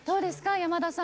山田さん